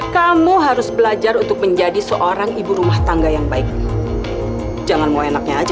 kamu harus belajar untuk menjadi seorang ibu rumah tangga yang baik jangan mau enaknya aja